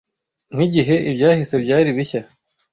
Nkigihe ibyahise byari bishya.